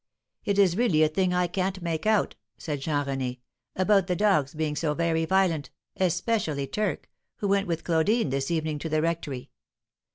"It is really a thing I can't make out," said Jean René, "about the dogs being so very violent, especially Turk, who went with Claudine this evening to the rectory.